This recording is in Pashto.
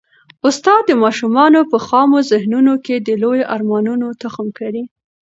استاد د ماشومانو په خامو ذهنونو کي د لویو ارمانونو تخم کري.